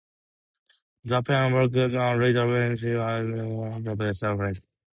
The plan backfires a day later when she instead kills her husband's best friend.